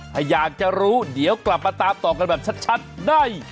ถ้าอยากจะรู้เดี๋ยวกลับมาตามต่อกันแบบชัดได้